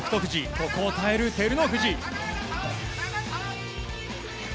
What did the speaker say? ここを耐える照ノ富士。